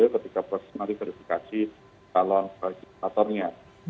ketika bersemarih verifikasi calon legislatornya